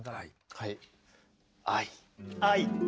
はい。